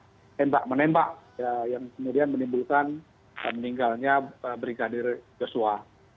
yang menembak menembak yang kemudian menimbulkan meninggalnya brigadir joshua